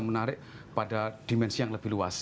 menarik pada dimensi yang lebih luas